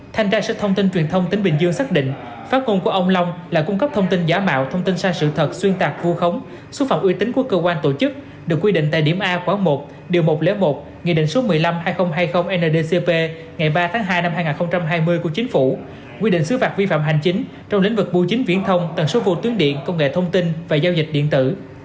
thành ra sức thông tin truyền thông tính bình dương xác định phát ngôn của ông long là cung cấp thông tin giả mạo thông tin sai sự thật xuyên tạc vô khống xuất phạm uy tín của cơ quan tổ chức được quy định tại điểm a quả một điều một trăm linh một nghị định số một trăm năm mươi hai nghìn hai mươi ndcp ngày ba tháng hai năm hai nghìn hai mươi của chính phủ quy định xứ phạm vi phạm hành chính trong lĩnh vực vô chính viễn thông tầng số vô tuyến điện công nghệ thông tin và giao dịch điện tử